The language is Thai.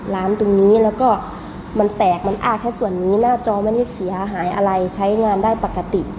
ร้านตรงนี้แล้วก็มันแตกมันอ้าแค่ส่วนนี้หน้าจอไม่ได้เสียหายอะไรใช้งานได้ปกติ